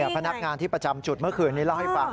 พนักงานที่ประจำจุดเมื่อคืนนี้เล่าให้ฟัง